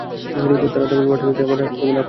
তারা তামিল মার্টিমনিতে আমার প্রোফাইল আপলোড দিয়েছে।